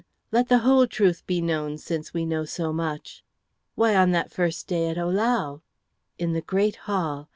Let the whole truth be known, since we know so much." "Why, on that first day at Ohlau." "In the great hall.